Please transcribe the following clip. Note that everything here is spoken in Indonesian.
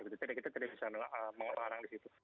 jadi kita tidak bisa mengelarang di situ